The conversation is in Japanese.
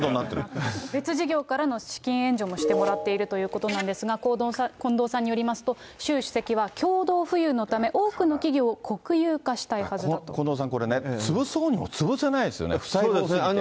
別事業からの資金援助もしてもらっているということなんですが、近藤さんによりますと、習主席は、共同富裕のため、多くの企業を国有化したいはずだと。近藤さん、これね、潰そうにも潰せないですよね、負債が多すぎて。